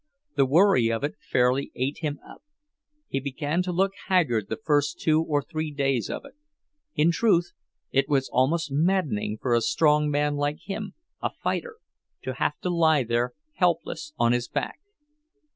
The worry of it fairly ate him up—he began to look haggard the first two or three days of it. In truth, it was almost maddening for a strong man like him, a fighter, to have to lie there helpless on his back.